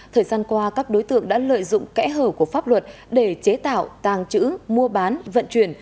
thời gian qua các đối tượng đã lợi dụng kẽ hở của pháp luật để chế tạo tàng trữ mua bán vận chuyển